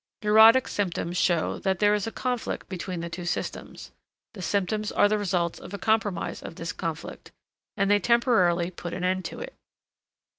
Neurotic symptoms show that there is a conflict between the two systems; the symptoms are the results of a compromise of this conflict, and they temporarily put an end to it.